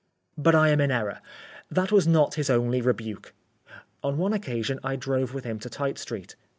But I am in error. That was not his only rebuke. On one occasion I drove with him to Tite street.